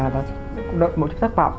được một chút thất vọng